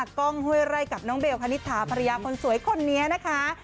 กล้องห้วยไร่กับน้องเบลคณิตถาภรรยาคนสวยคนนี้นะคะ